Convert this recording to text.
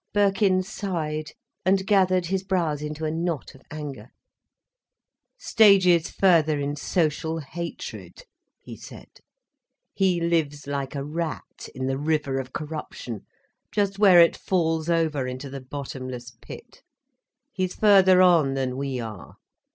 Birkin sighed, and gathered his brows into a knot of anger. "Stages further in social hatred," he said. "He lives like a rat, in the river of corruption, just where it falls over into the bottomless pit. He's further on than we are.